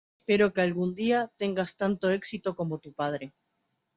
Espero que algún día tengas tanto éxito como tu padre.